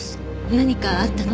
何かあったの？